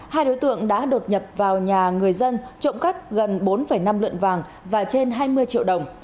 hai đối tượng đã đột nhập vào nhà người dân trộm cắt gần bốn năm lượn vàng và trên hai mươi triệu đồng